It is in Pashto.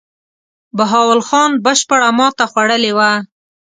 بهاول خان بشپړه ماته خوړلې وه.